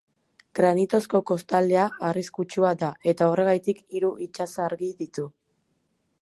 Granitozko kostaldea arriskutsua da eta horregatik hiru itsasargi ditu.